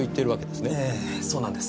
ええそうなんです。